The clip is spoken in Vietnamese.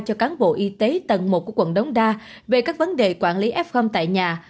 cho cán bộ y tế tầng một của quận đống đa về các vấn đề quản lý f tại nhà